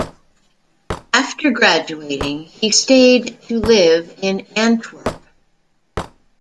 After graduating, he stayed to live in Antwerp.